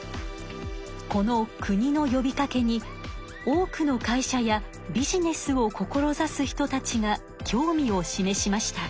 この国のよびかけに多くの会社やビジネスを志す人たちが興味を示しました。